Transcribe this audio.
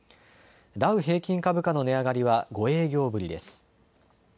ダウ平均株価の値上がりは５営業日ぶりです。